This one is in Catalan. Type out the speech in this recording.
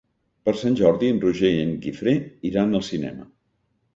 Per Sant Jordi en Roger i en Guifré iran al cinema.